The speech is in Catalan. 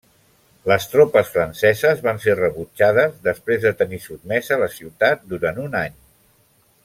Les tropes franceses van ser rebutjades, després de tenir sotmesa la ciutat durant un any.